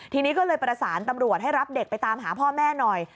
ทีนี้ก็เลยประสานตำรวจให้รับเด็กไปตามหาพ่อแม่หน่อย